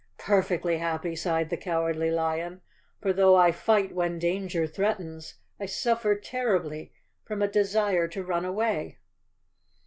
"Perfectly happy," sighed the Cowardly Lion, "for though I fight when danger threatens, I suffer terribly from a desire to run away."